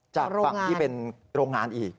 จากฝั่งที่เป็นโรงงานอีก